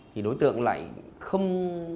thì đối tượng lại không